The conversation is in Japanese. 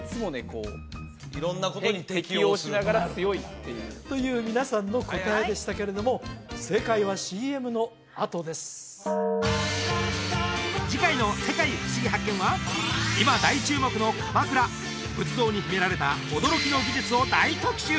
こう色んなことに適応する適応しながら強いっていうという皆さんの答えでしたけれども正解はＣＭのあとです次回の「世界ふしぎ発見！」は今大注目の鎌倉仏像に秘められた驚きの技術を大特集！